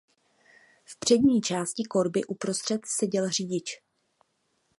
V přední části korby uprostřed seděl řidič.